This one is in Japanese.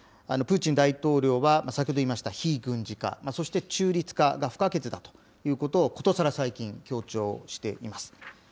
プーチン大統領は、先ほど言いました非軍事化、そして中立化が不可欠だということを、ことさら最近強調しています。